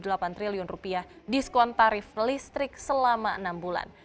serta rp tiga tujuh puluh delapan triliun diskon tarif listrik selama enam bulan